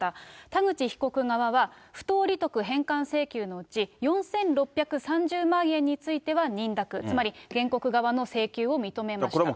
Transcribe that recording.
田口被告側は、不当利得返還請求のうち、４６３０万円については認諾、つまり原告側の請求を認めました。